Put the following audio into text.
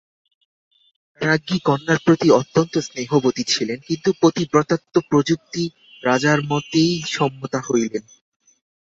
রাজ্ঞী কন্যার প্রতি অত্যন্ত স্নেহবতী ছিলেন কিন্তু পতিব্রতাত্ব প্রযুক্তি রাজার মতেই সম্মতা হইলেন।